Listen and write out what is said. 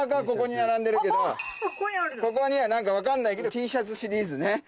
ここに並んでるけどここには何か分かんないけどＴシャツシリーズね。